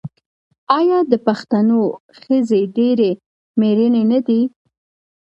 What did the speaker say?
آیا د پښتنو ښځې ډیرې میړنۍ نه دي؟